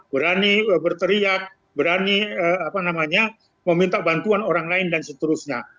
berani berteriak berani meminta bantuan orang lain dan seterusnya